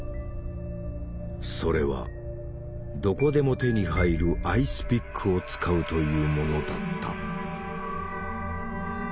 それはどこでも手に入るアイスピックを使うというものだった。